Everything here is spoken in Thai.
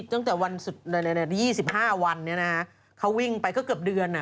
ตั้งแต่วัน๒๕วันเขาวิ่งไปก็เกือบเดือน